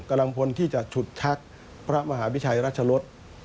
กำลังพลที่จะฉุดชักพระมหาพิชัยรัชรศ